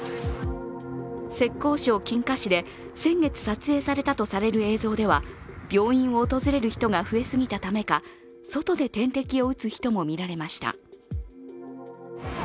浙江省、金華市で先月撮影されたとされる映像では、病院を訪れる人が増えすぎたためか、外で点滴を打つ人も見られました。